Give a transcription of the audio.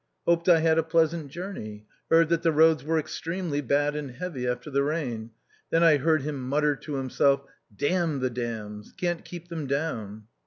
Hoped I had a pleasant journey. Heard that the roads were ... extremely bad and heavy after the rain. Then I heard him mutter to himself, " Damn the damns, can't keep them down."